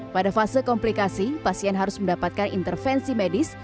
pada fase komplikasi pasien harus mendapatkan intervensi medis